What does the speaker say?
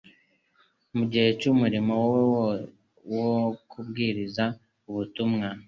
Mu gihe cy'umurimo we wo kubwiriza ubutumwa